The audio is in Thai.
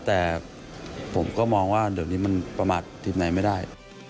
แต่ผมก็มองว่าเดี๋ยวนี้มันประมาททีมไหนไม่ได้